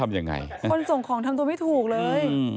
ยังไงคนส่งของทำตัวไม่ถูกเลย